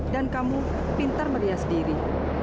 dan kamu pintar meriah sendiri